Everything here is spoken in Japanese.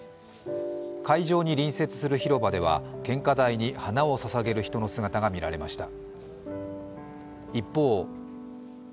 会場に隣接する広場では献花台に花をささげる人の姿が見られました。